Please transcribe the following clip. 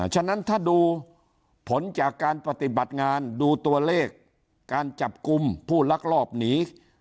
ฉะนั้นถ้าดูผลจากการปฏิบัติงานดูตัวเลขการจับกลุ่มผู้ลักลอบหนี